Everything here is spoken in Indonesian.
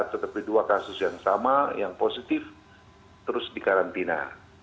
tetapi dua kasus yang sama yang positif terus dikarantina